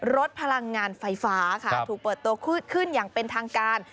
รถพลังงานไฟฟ้าค่ะถูกเปิดตัวขึ้นอย่างเป็นทางการ